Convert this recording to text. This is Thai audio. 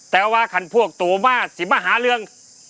แต่ว่าคันพวกตู้มาสิมาหารวก